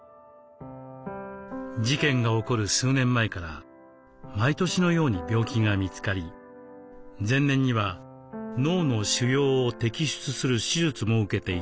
事件が起こる数年前から毎年のように病気が見つかり前年には脳の腫瘍を摘出する手術も受けていたのです。